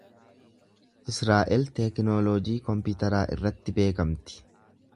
Israa’el teeknooloojii kompiitaraa irratti beekamti.